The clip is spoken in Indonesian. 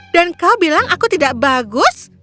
dan kau bilang aku tidak bagus